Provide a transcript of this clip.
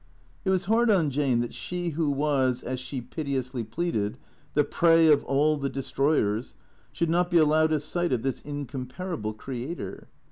It was hard on Jane that she who was, as she piteously pleaded, the prey of all the destroyers, should not be allowed a sight of this incomparable creator.